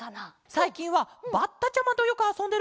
さいきんはバッタちゃまとよくあそんでるケロ。